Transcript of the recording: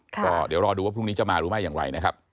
ก็เดี๋ยวรอดูว่าพรุ่งนี้จะมาหรือไม่อย่างไรนะครับ